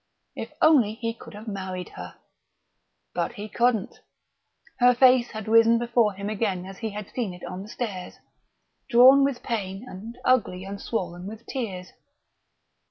If only he could have married her!... But he couldn't. Her face had risen before him again as he had seen it on the stairs, drawn with pain and ugly and swollen with tears.